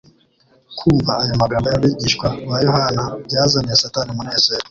Kumva ayo magambo y'abigishwa baYohana byazaniye Satani umunezero